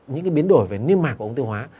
những cái biến đổi về niêm mạc của ống tiêu hóa